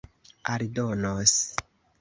aldonos